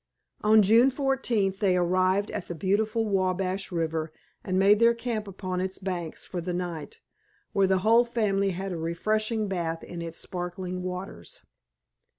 On June fourteenth they arrived at the beautiful Wabash River, and made their camp upon its banks for the night, where the whole family had a refreshing bath in its sparkling waters.